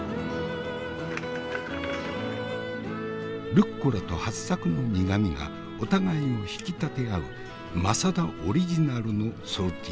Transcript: ルッコラとはっさくの苦みがお互いを引き立て合う政田オリジナルのソルティドッグ。